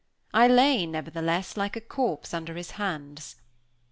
I lay, nevertheless, like a corpse under his hands.